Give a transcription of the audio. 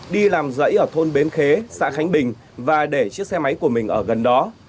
đi làm dãy ở thôn bến khế xã khánh bình và để chiếc xe máy của mình ở gần đó